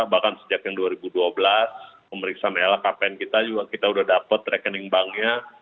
bahkan sejak yang dua ribu dua belas pemeriksaan lhkpn kita juga kita sudah dapat rekening banknya